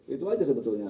itu aja sebetulnya